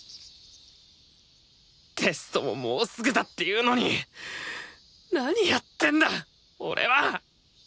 テストももうすぐだっていうのに何やってんだ俺は！